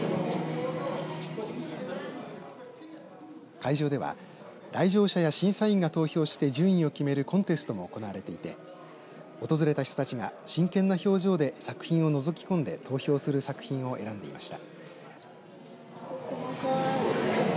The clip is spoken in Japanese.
会場では来場者や審査員が投票して順位を決めるコンテストも行われていて訪れた人たちが真剣な表情で作品をのぞきこんで投票する作品を選んでいました。